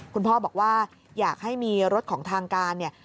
คุณพ่อบอกว่าอยากให้มีรถของทางการเนี่ย